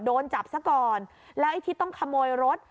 โดนจับซะก่อนแล้วไอ้ที่ต้องขโมยรถ